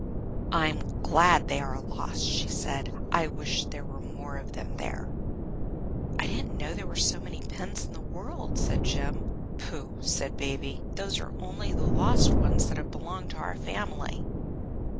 "I'm glad they are lost!" she said. "I wish there were more of them there." "I didn't know there were so many pins in the world," said Jem. "Pooh!" said Baby. "Those are only the lost ones that have belonged to our family."